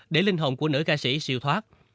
để linh hồn của nữ ca sĩ siêu thoát